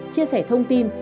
chia sẻ thông tin